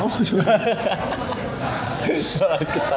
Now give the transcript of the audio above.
oh mau jualan ketan